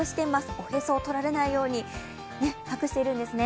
おへそをとられないように隠しているんですね。